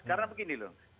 karena begini loh